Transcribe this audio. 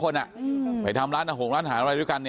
เพราะไม่เคยถามลูกสาวนะว่าไปทำธุรกิจแบบไหนอะไรยังไง